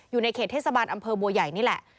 อยู่ในเขตเทศบาลอำเภอบัวใหญ่นี่แหละ